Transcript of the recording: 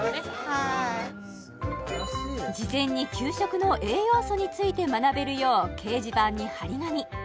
はい事前に給食の栄養素について学べるよう掲示板に貼り紙